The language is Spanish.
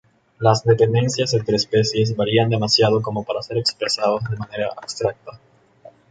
Las dependencias entre especies varían demasiado como para ser expresados de manera abstracta.